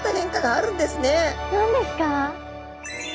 何ですか？